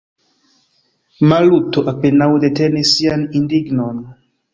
Maluto apenaŭ detenis sian indignon.